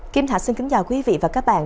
kim thạch xin kính chào quý vị và các bạn